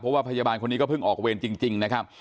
เพราะว่าพยาบาลคนนี้ก็เพิ่งออกเวรจริงนะครับ